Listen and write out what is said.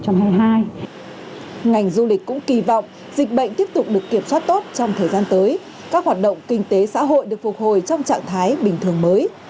ngành du lịch cũng kỳ vọng dịch bệnh tiếp tục được kiểm soát tốt trong thời gian tới các hoạt động kinh tế xã hội được phục hồi trong trạng thái bình thường mới